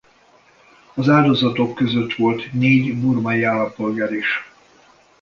Az áldozatok között volt négy burmai állampolgár is.